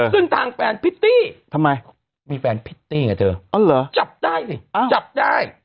ซึ่งทางแฟนพิตตี้ทำไมมีแฟนพิตตี้กับเธออ๋อเหรอจับได้สิอ้าวจับได้